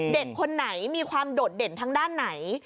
เด็กคนไหนมีความโดดเด่นทางด้านไหน